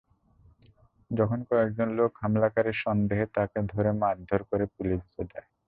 তখন কয়েকজন লোক হামলাকারী সন্দেহে তাঁকে ধরে মারধর করে পুলিশে দেয়।